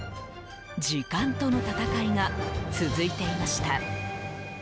時間との闘いが続いていました。